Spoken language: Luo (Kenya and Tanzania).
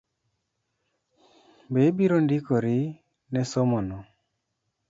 Be ibiro ndikori ne somo no?